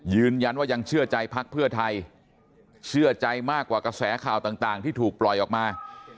ยืนยันว่ายังเชื่อใจพักเพื่อไทยเชื่อใจมากกว่ากระแสข่าวต่างที่ถูกปล่อยออกมา